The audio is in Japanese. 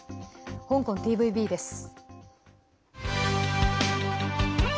香港ＴＶＢです。